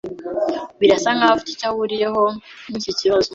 Birasa nkaho afite icyo ahuriyeho niki kibazo.